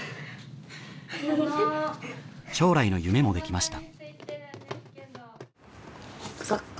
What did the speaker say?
将来の夢もできました。